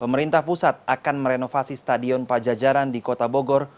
pemerintah pusat akan merenovasi stadion pajajaran di kota bogor